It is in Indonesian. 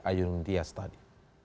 ayun dias tadi